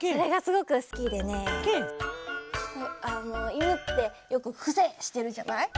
いぬってよく「ふせ」してるじゃない？